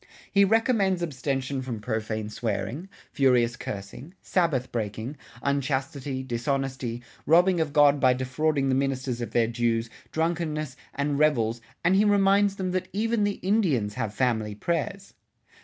He recommends abstention from profane swearing, furious cursing, Sabbath breaking, unchastity, dishonesty, robbing of God by defrauding the ministers of their dues, drunkenness, and revels and he reminds them that even the Indians have family prayers!